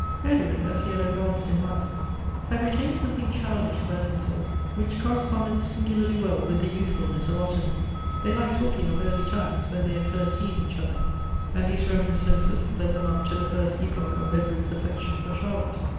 Edward, as he had advanced in life, had retained something childish about liimself, which corresponded singularly, well with the youthfulness of Ottilie. They liked talking of early times, when they had first seen each other; and these reminiscences led them up to the first epoch of Edward's affection for Charlotte.